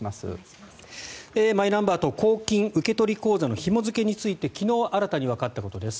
マイナンバーと公金受取口座のひも付けについて昨日、新たにわかったことです。